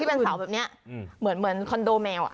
เป็นเสาแบบนี้เหมือนคอนโดแมว